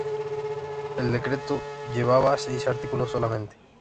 El decreto llevaba seis artículos solamente.